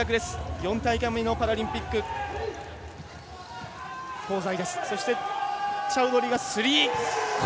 ４回目のパラリンピック香西。